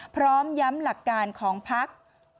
พร้อมย้ำหลักการของพัก